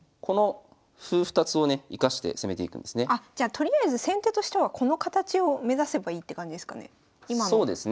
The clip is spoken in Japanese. あじゃあとりあえず先手としてはこの形を目指せばいいって感じですかね。